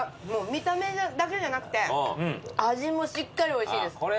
見た目だけじゃなくて味もしっかりおいしいです。